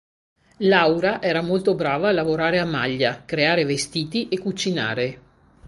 Laura era molto brava a lavorare a maglia, creare vestiti e cucinare.